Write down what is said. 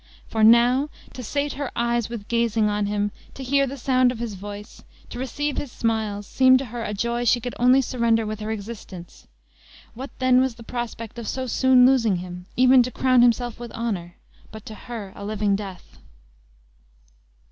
For, now, to sate her eyes with gazing on him, to hear the sound of his voice, to receive his smiles, seemed to her a joy she could only surrender with her existence. What then was the prospect of so soon losing him, even to crown himself with honor, but to her a living death?